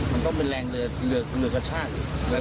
มันคือหนู